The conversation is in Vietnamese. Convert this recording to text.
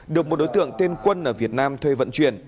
được một đối tượng tên quân ở việt nam thuê vận chuyển